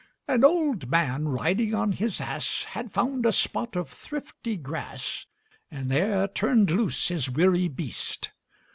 An old man, riding on his ass, Had found a spot of thrifty grass, And there turn'd loose his weary beast.